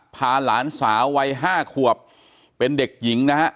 พาหลานสาววัย๕ขวบเป็นเด็กหญิงนะฮะ